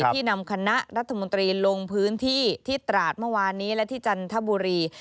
ที่นำคณะรัฐมนตรีลงพื้นที่ที่ตราดเมื่อวานนี้และที่จันทบุรี